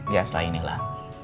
ya setelah inilah